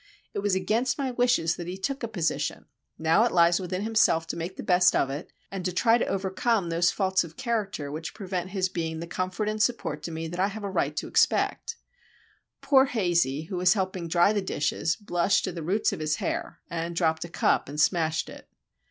It was against my wishes that he took a position,—now it lies with himself to make the best of it, and to try to overcome those faults of character which prevent his being the comfort and support to me that I have a right to expect." Poor Hazey, who was helping dry the dishes, blushed to the roots of his hair, and dropped a cup and smashed it.